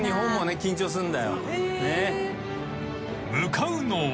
［向かうのは］